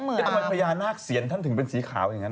ทำไมพญานาคเสียงท่านถึงเป็นสีขาวอย่างนั้น